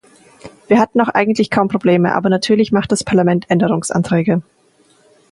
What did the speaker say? Wir hatten auch eigentlich kaum Probleme, aber natürlich macht das Parlament Änderungsanträge.